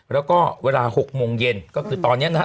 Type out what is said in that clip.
แล้วก็เวลา๖โมงเย็นก็คือตอนนี้นะฮะ